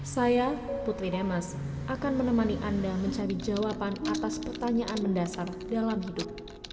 saya putri demas akan menemani anda mencari jawaban atas pertanyaan mendasar dalam hidup